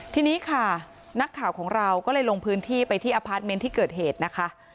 ทีนี้ค่ะนักข่าวของเราก็เลยลงพื้นที่ไปที่อพาร์ทเมนต์ที่เกิดเหตุนะคะ